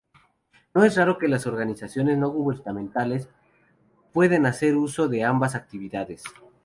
No es raro que las organizaciones no gubernamentales puedan hacer uso de ambas actividades.